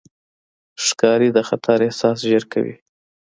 ښکاري د خطر احساس ژر کوي.